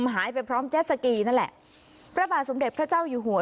หายไปพร้อมเจ็ดสกีนั่นแหละพระบาทสมเด็จพระเจ้าอยู่หัว